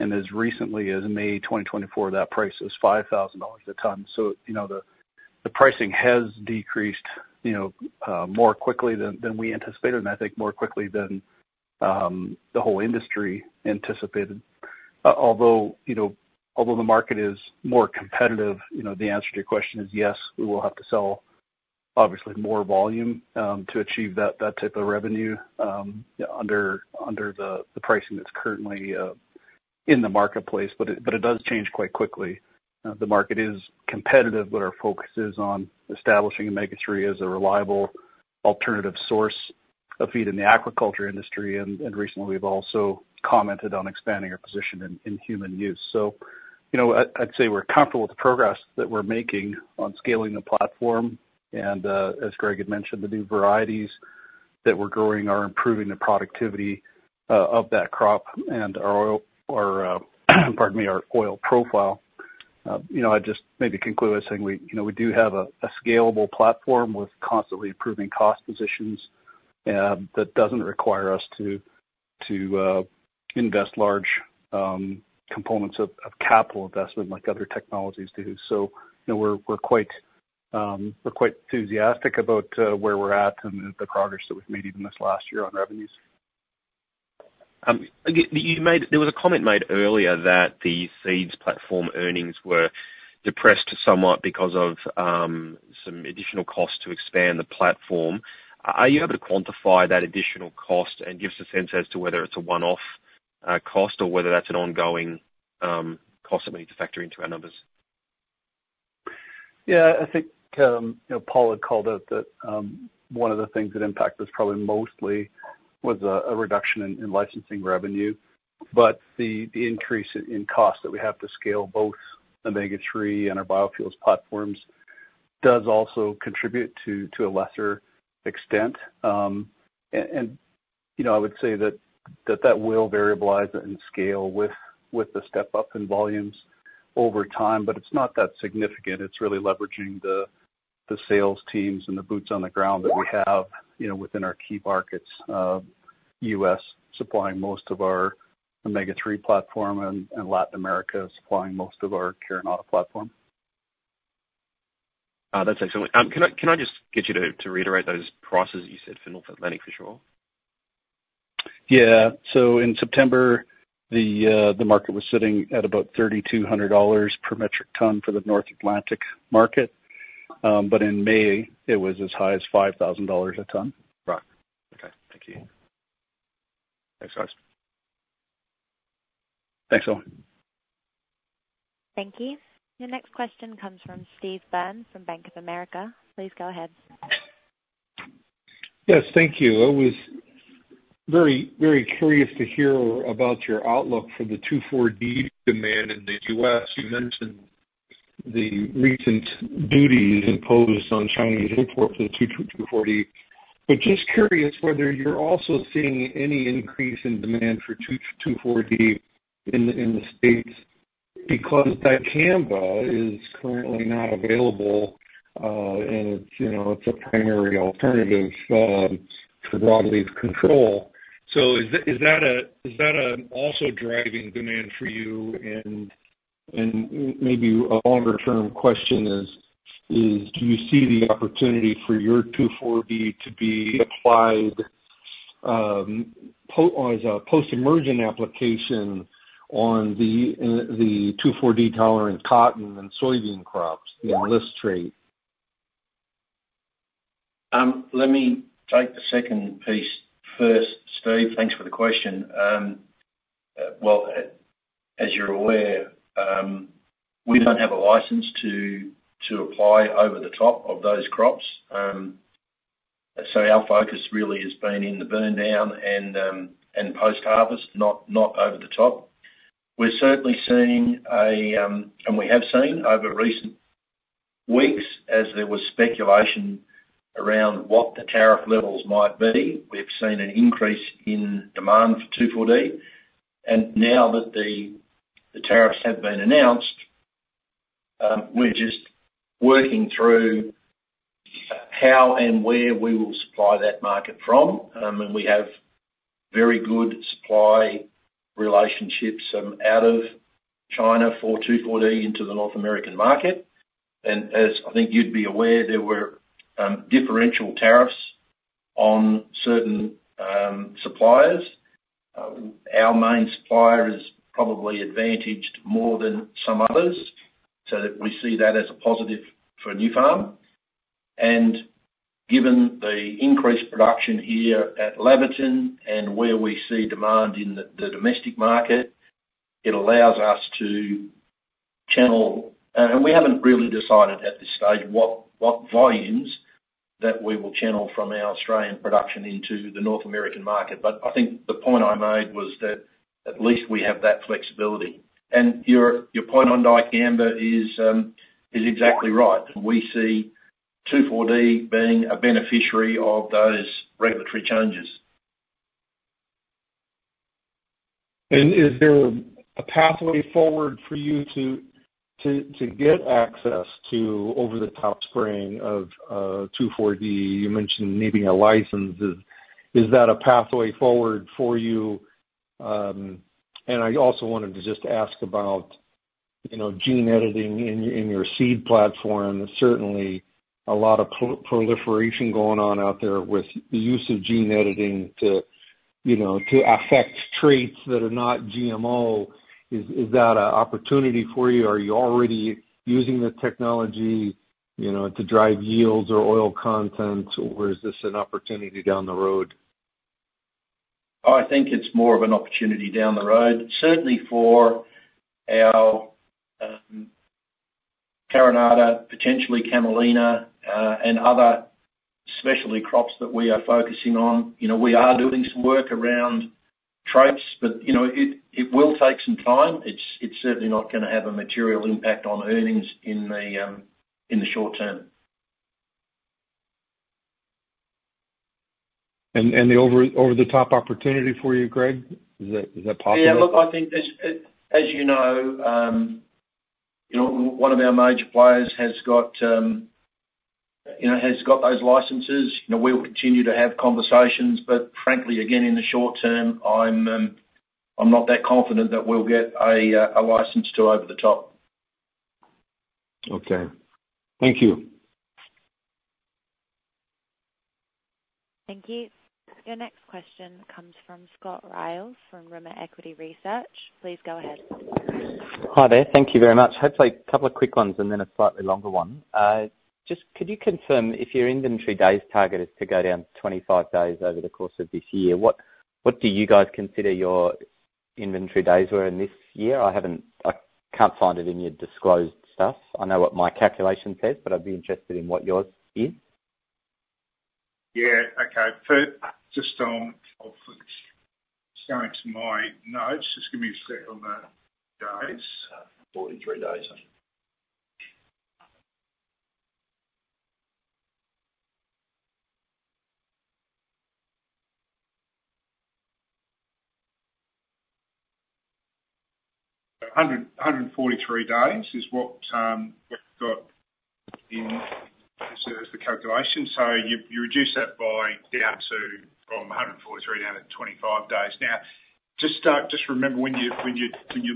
and as recently as May 2024, that price was $5,000 a ton, so the pricing has decreased more quickly than we anticipated, and I think more quickly than the whole industry anticipated. Although the market is more competitive, the answer to your question is yes, we will have to sell obviously more volume to achieve that type of revenue under the pricing that's currently in the marketplace, but it does change quite quickly. The market is competitive, but our focus is on establishing Omega Three as a reliable alternative source of feed in the aquaculture industry. And recently, we've also commented on expanding our position in human use. So I'd say we're comfortable with the progress that we're making on scaling the platform. And as Greg had mentioned, the new varieties that we're growing are improving the productivity of that crop and our, pardon me, our oil profile. I'd just maybe conclude by saying we do have a scalable platform with constantly improving cost positions that doesn't require us to invest large components of capital investment like other technologies do. So we're quite enthusiastic about where we're at and the progress that we've made even this last year on revenues. There was a comment made earlier that the seeds platform earnings were depressed somewhat because of some additional cost to expand the platform. Are you able to quantify that additional cost and give us a sense as to whether it's a one-off cost or whether that's an ongoing cost that we need to factor into our numbers? Yeah. I think Paul had called out that one of the things that impacted us probably mostly was a reduction in licensing revenue. But the increase in cost that we have to scale both Omega-3 and our biofuels platforms does also contribute to a lesser extent. And I would say that that will variabilize and scale with the step-up in volumes over time, but it's not that significant. It's really leveraging the sales teams and the boots on the ground that we have within our key markets, U.S. supplying most of our Omega-3 platform and Latin America supplying most of our Carinata platform. That's excellent. Can I just get you to reiterate those prices that you said for North Atlantic fish oil? Yeah, so in September, the market was sitting at about $3,200 per metric ton for the North Atlantic market. But in May, it was as high as $5,000 a ton. Right. Okay. Thank you. Thanks, guys. Thanks, Owen. Thank you. Your next question comes from Steve Byrne from Bank of America. Please go ahead. Yes, thank you. I was very, very curious to hear about your outlook for the 2,4-D demand in the U.S. You mentioned the recent duties imposed on Chinese imports of 2,4-D. But just curious whether you're also seeing any increase in demand for 2,4-D in the States because Dicamba is currently not available, and it's a primary alternative for broadleaf control. So is that an also driving demand for you? And maybe a longer-term question is, do you see the opportunity for your 2,4-D to be applied as a post-emergent application on the 2,4-D tolerant cotton and soybean crops in this trade? Let me take the second piece first, Steve. Thanks for the question. As you're aware, we don't have a license to apply over the top of those crops. So our focus really has been in the burndown and post-harvest, not over the top. We're certainly seeing, and we have seen over recent weeks, as there was speculation around what the tariff levels might be, we've seen an increase in demand for 2,4-D. Now that the tariffs have been announced, we're just working through how and where we will supply that market from. We have very good supply relationships out of China for 2,4-D into the North America market. As I think you'd be aware, there were differential tariffs on certain suppliers. Our main supplier is probably advantaged more than some others, so that we see that as a positive for Nufarm. Given the increased production here at Laverton and where we see demand in the domestic market, it allows us to channel, and we haven't really decided at this stage what volumes that we will channel from our Australian production into the North American market. But I think the point I made was that at least we have that flexibility. Your point on dicamba is exactly right. We see 2,4-D being a beneficiary of those regulatory changes. And is there a pathway forward for you to get access to over-the-top spraying of 2,4-D? You mentioned needing a license. Is that a pathway forward for you? And I also wanted to just ask about gene editing in your seed platform. Certainly, a lot of proliferation going on out there with the use of gene editing to affect traits that are not GMO. Is that an opportunity for you? Are you already using the technology to drive yields or oil content, or is this an opportunity down the road? I think it's more of an opportunity down the road. Certainly for our carinata, potentially camelina, and other specialty crops that we are focusing on, we are doing some work around traits, but it will take some time. It's certainly not going to have a material impact on earnings in the short term. The over-the-top opportunity for you, Greg, is that possible? Yeah. Look, I think, as you know, one of our major players has got those licenses. We'll continue to have conversations, but frankly, again, in the short term, I'm not that confident that we'll get a license to over-the-top. Okay. Thank you. Thank you. Your next question comes from Scott Ryall from Rimor Equity Research. Please go ahead. Hi there. Thank you very much. Hopefully, a couple of quick ones and then a slightly longer one. Just could you confirm if your inventory days target is to go down to 25 days over the course of this year? What do you guys consider your inventory days were in this year? I can't find it in your disclosed stuff. I know what my calculation says, but I'd be interested in what yours is. Yeah. Okay. Just going to my notes. Just give me a second on the days. 143 days. 143 days is what we've got in the calculation. So you reduce that down from 143 down to 25 days. Now, just remember when you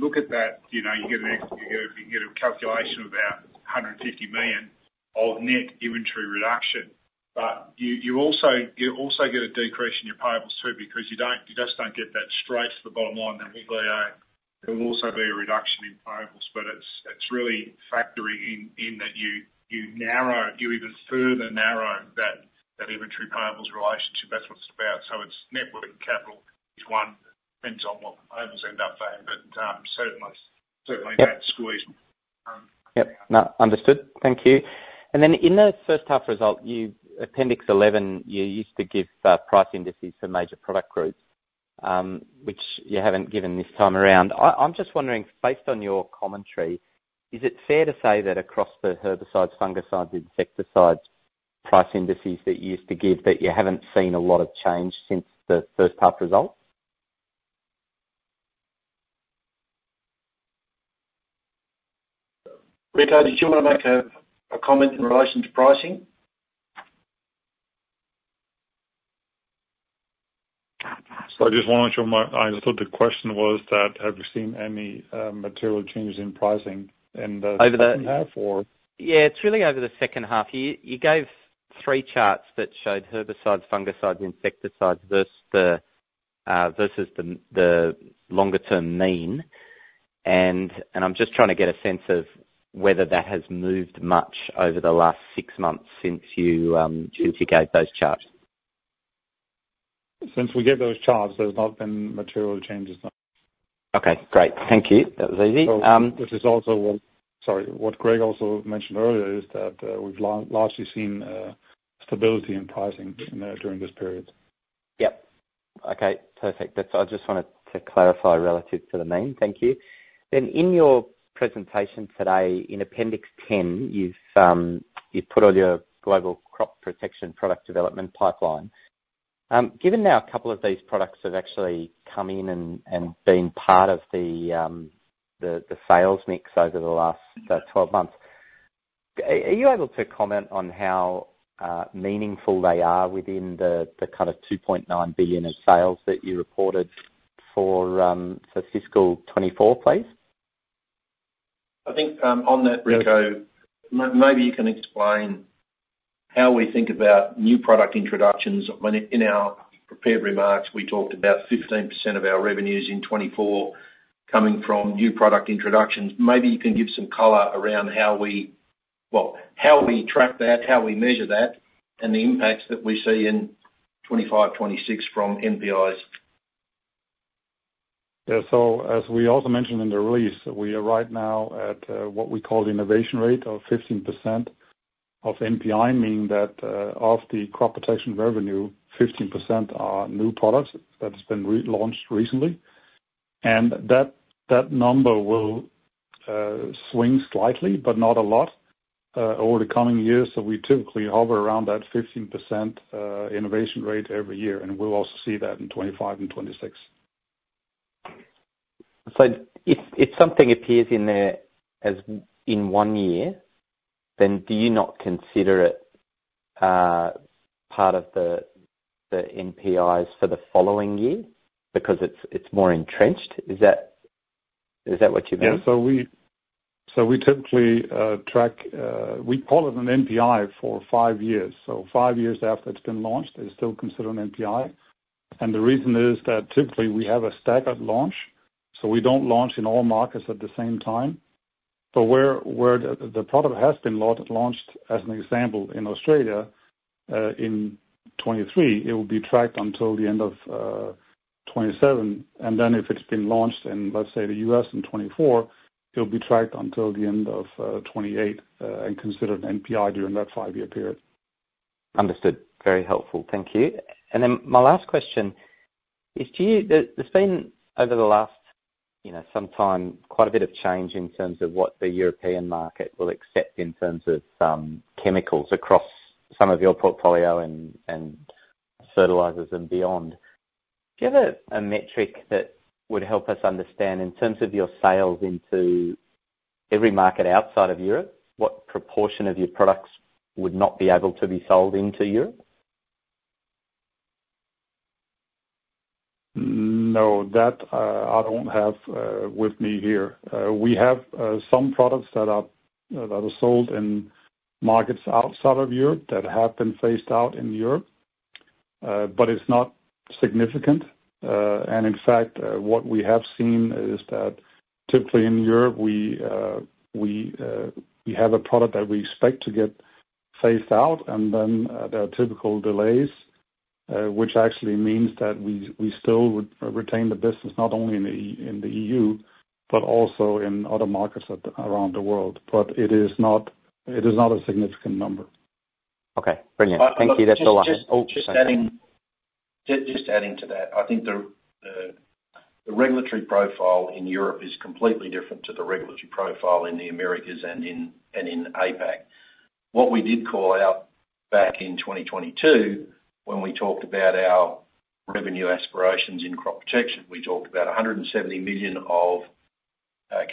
look at that, you get a calculation of about $150 million of net inventory reduction. But you also get a decrease in your payables too because you just don't get that straight to the bottom line. There will also be a reduction in payables, but it's really factoring in that you even further narrow that inventory payables relationship. That's what it's about. So it's net working capital. Each one depends on what payables end up being. But certainly, that squeezed. Yep. Understood. Thank you. And then in the first half result, you Appendix 11, you used to give price indices for major product groups, which you haven't given this time around. I'm just wondering, based on your commentary, is it fair to say that across the herbicides, fungicides, insecticides price indices that you used to give, that you haven't seen a lot of change since the first half result? Rico, did you want to make a comment in relation to pricing? So I just want to make sure I understood. The question was that, have you seen any material changes in pricing in the second half or? Yeah. It's really over the second half. You gave three charts that showed herbicides, fungicides, insecticides versus the longer-term mean. And I'm just trying to get a sense of whether that has moved much over the last six months since you gave those charts. Since we gave those charts, there's not been material changes. Okay. Great. Thank you. That was easy. Which is also, sorry, what Greg also mentioned earlier is that we've largely seen stability in pricing during this period. Yep. Okay. Perfect. I just wanted to clarify relative to the mean. Thank you. Then in your presentation today, in Appendix 10, you've put on your global crop protection product development pipeline. Given now a couple of these products have actually come in and been part of the sales mix over the last 12 months, are you able to comment on how meaningful they are within the kind of $2.9 billion of sales that you reported for fiscal 2024, please? I think on that, Rico, maybe you can explain how we think about new product introductions. In our prepared remarks, we talked about 15% of our revenues in 2024 coming from new product introductions. Maybe you can give some color around how we track that, how we measure that, and the impacts that we see in 2025, 2026 from NPIs. As we also mentioned in the release, we are right now at what we call the innovation rate of 15% of NPI, meaning that of the crop protection revenue, 15% are new products that have been launched recently. That number will swing slightly, but not a lot, over the coming years. We typically hover around that 15% innovation rate every year. We'll also see that in 2025 and 2026. So if something appears in one year, then do you not consider it part of the NPIs for the following year because it's more entrenched? Is that what you mean? Yeah. So we typically track what we call it an NPI for five years. So five years after it's been launched, it's still considered an NPI. And the reason is that typically we have a staggered launch. So we don't launch in all markets at the same time. But where the product has been launched, as an example, in Australia in 2023, it will be tracked until the end of 2027. And then if it's been launched in, let's say, the U.S. in 2024, it'll be tracked until the end of 2028 and considered an NPI during that five-year period. Understood. Very helpful. Thank you, and then my last question is, has there been over the last some time quite a bit of change in terms of what the European market will accept in terms of chemicals across some of your portfolio and fertilizers and beyond? Do you have a metric that would help us understand in terms of your sales into every market outside of Europe? What proportion of your products would not be able to be sold into Europe? No, that I don't have with me here. We have some products that are sold in markets outside of Europe that have been phased out in Europe, but it's not significant. And in fact, what we have seen is that typically in Europe, we have a product that we expect to get phased out, and then there are typical delays, which actually means that we still retain the business not only in the E.U., but also in other markets around the world. But it is not a significant number. Okay. Brilliant. Thank you. That's all I have. Just adding to that, I think the regulatory profile in Europe is completely different to the regulatory profile in the Americas and in APAC. What we did call out back in 2022 when we talked about our revenue aspirations in crop protection, we talked about $170 million of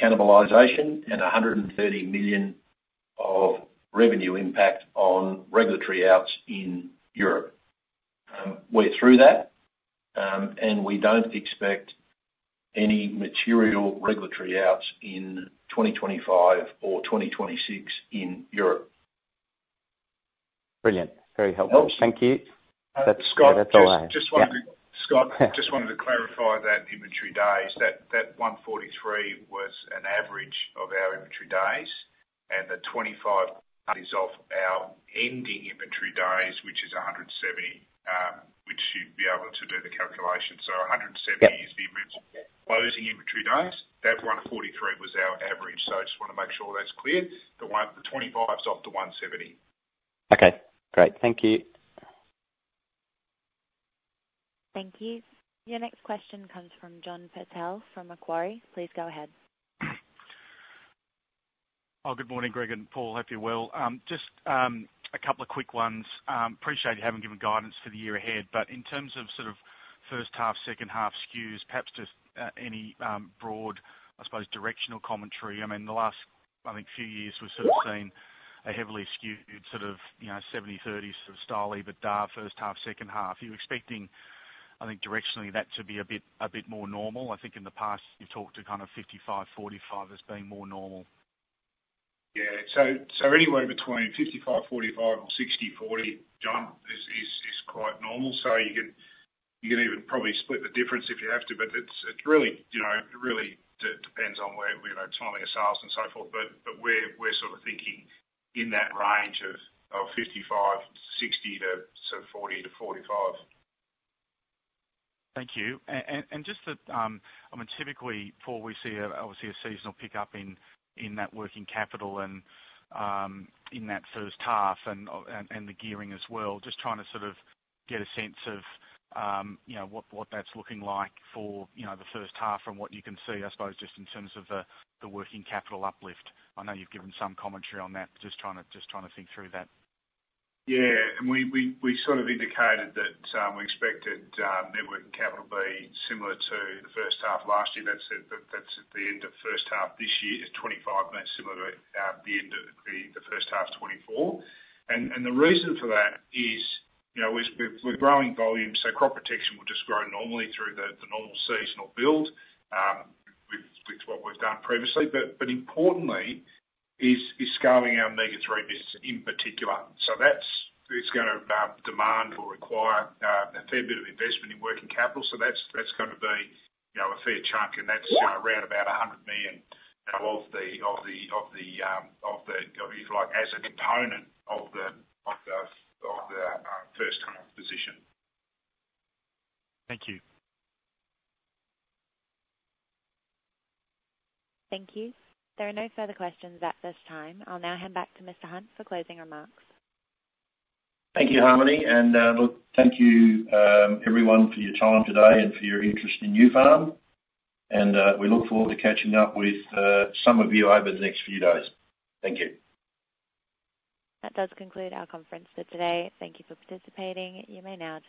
cannibalization and $130 million of revenue impact on regulatory outs in Europe. We're through that, and we don't expect any material regulatory outs in 2025 or 2026 in Europe. Brilliant. Very helpful. Thank you. That's all I have. Scott, just wanted to clarify that inventory days, that 143 was an average of our inventory days. And the 25 is of our ending inventory days, which is 170, which you'd be able to do the calculation. So 170 is the closing inventory days. That 143 was our average. So I just want to make sure that's clear. The 25 is off the 170. Okay. Great. Thank you. Thank you. Your next question comes from John Purtell from Macquarie. Please go ahead. Hi. Good morning, Greg and Paul. Hope you're well. Just a couple of quick ones. Appreciate you having given guidance for the year ahead. But in terms of sort of first half, second half skews, perhaps just any broad, I suppose, directional commentary. I mean, the last, I think, few years, we've sort of seen a heavily skewed sort of 70/30 style, but the first half, second half. Are you expecting, I think, directionally that to be a bit more normal? I think in the past, you've talked to kind of 55/45 as being more normal. Yeah. So anywhere between 55/45 and 60/40, John, is quite normal. So you can even probably split the difference if you have to. But it really depends on where we're timing ourselves and so forth. But we're sort of thinking in that range of 55 to 60 to 40 to 45. Thank you. And just that, I mean, typically, Paul, we see obviously a seasonal pickup in that working capital and in that first half and the gearing as well. Just trying to sort of get a sense of what that's looking like for the first half and what you can see, I suppose, just in terms of the working capital uplift. I know you've given some commentary on that. Just trying to think through that. Yeah. And we sort of indicated that we expected net working capital to be similar to the first half last year. That's at the end of first half this year, is 25, and that's similar to the end of the first half of 2024. And the reason for that is we're growing volume. So crop protection will just grow normally through the normal seasonal build with what we've done previously. But importantly, is scaling our omega-3 business in particular. So that's going to demand or require a fair bit of investment in working capital. So that's going to be a fair chunk. And that's around about $100 million of the, if you like, as a component of the first half position. Thank you. Thank you. There are no further questions at this time. I'll now hand back to Mr. Hunt for closing remarks. Thank you, Harmony. And look, thank you, everyone, for your time today and for your interest in Nufarm. And we look forward to catching up with some of you over the next few days. Thank you. That does conclude our conference for today. Thank you for participating. You may now.